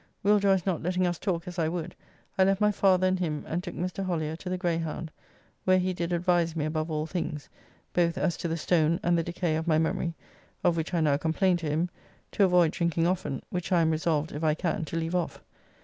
Will Joyce not letting us talk as I would I left my father and him and took Mr. Hollier to the Greyhound, where he did advise me above all things, both as to the stone and the decay of my memory (of which I now complain to him), to avoid drinking often, which I am resolved, if I can, to leave off.